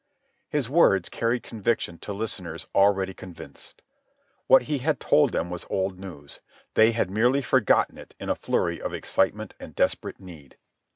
His words carried conviction to listeners already convinced. What he had told them was old news. They had merely forgotten it in a flurry of excitement and desperate need.